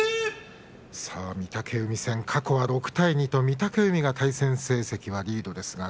御嶽海戦過去は６対２と御嶽海が対戦成績はリードです。